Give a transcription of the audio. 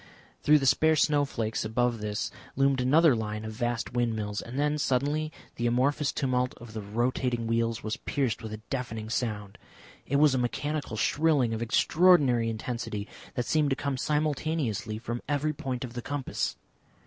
Through the spare snowflakes above this loomed another line of vast windmills, and then suddenly the amorphous tumult of the rotating wheels was pierced with a deafening sound. It was a mechanical shrilling of extraordinary intensity that seemed to come simultaneously from every point of the compass.